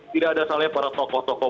tidak ada salahnya para tokoh tokoh